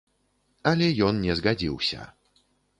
Але ён не згадзіўся.